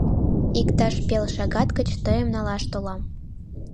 — Иктаж пел шагат гыч тыйым налаш толам.